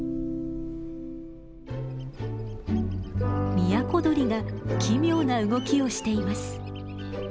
ミヤコドリが奇妙な動きをしています。